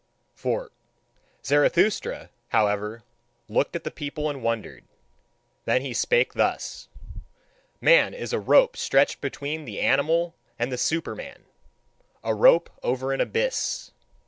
4. Zarathustra, however, looked at the people and wondered. Then he spake thus: Man is a rope stretched between the animal and the Superman a rope over an abyss.